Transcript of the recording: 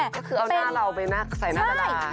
ก็คือเอาหน้าเราไปใส่หน้าดารา